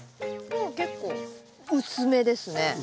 うん結構薄めですね。